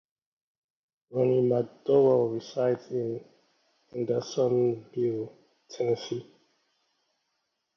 Ronnie McDowell resides in Hendersonville, Tennessee.